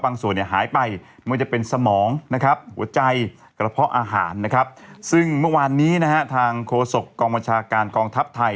บางส่วนหายไปเมื่อจะเป็นสมอง